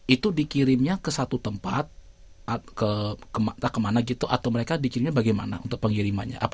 itu dikirimnya ke satu tempat kemana gitu atau mereka dikirimnya bagaimana untuk pengirimannya